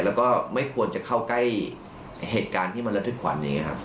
แล้วก็ไม่ควรจะเข้าใกล้เหตุการณ์ที่มันระทึกขวัญอย่างนี้ครับ